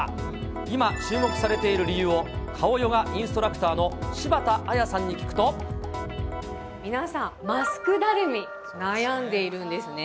今、注目されている理由を顔ヨガインストラクターの柴田彩さんに聞く皆さん、マスクだるみ、悩んでいるんですね。